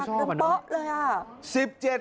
ออกหักกันป๊ะเลย